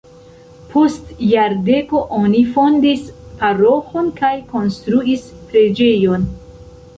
Post jardeko oni fondis paroĥon kaj konstruis preĝejon.